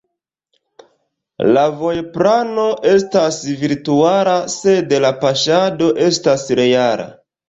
La vojplano estas virtuala, sed la paŝado estas reala.